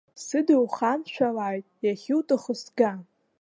Сыда ухамшәалааит, иахьуҭаху сга.